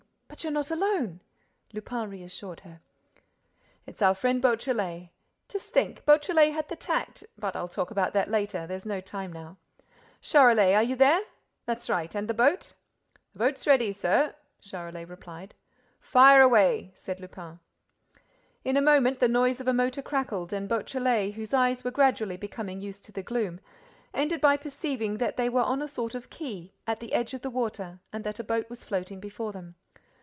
—But you're not alone!—" Lupin reassured her: "It's our friend Beautrelet.—Just think, Beautrelet had the tact—but I'll talk about that later—there's no time now.—Charolais are you there? That's right!—And the boat?" "The boat's ready, sir," Charolais replied, "Fire away," said Lupin. In a moment, the noise of a motor crackled and Beautrelet, whose eyes were gradually becoming used to the gloom, ended by perceiving that they were on a sort of quay, at the edge of the water, and that a boat was floating before them.